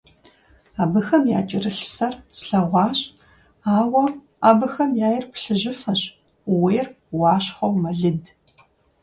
Абыхэм якӀэрылъ сэр слъэгъуащ, ауэ абыхэм яир плъыжьыфэщ, ууейр уащхъуэу мэлыд.